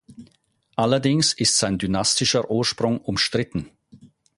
Allerdings ist sein dynastischer Ursprung umstritten.